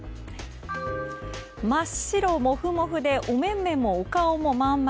真っ白モフモフでお目めもお顔も真ん丸。